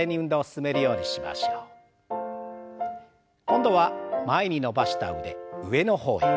今度は前に伸ばした腕上の方へ。